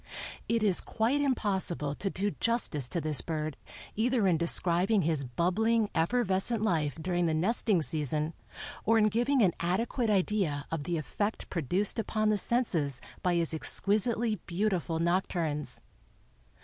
It is quite impossible to do justice to this bird either in describing his bubbling, effervescent life during the nesting season or in giving an adequate idea of the effect produced upon the senses by his exquisitely beautiful nocturnes.